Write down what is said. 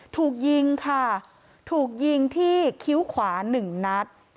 ถูกยิงค่ะถูกยิงที่คิ้วขวา๑นัด